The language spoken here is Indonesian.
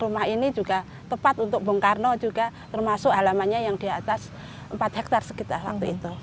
rumah ini juga tepat untuk bung karno juga termasuk halamannya yang diatas empat hektar sekitar waktu itu